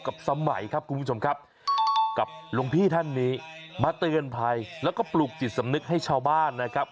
สมัยครับคุณผู้ชมครับกับหลวงพี่ท่านนี้มาเตือนภัยแล้วก็ปลูกจิตสำนึกให้ชาวบ้านนะครับ